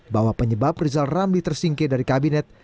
bahwa penyebab rizal ramli tersingkir dari kabinet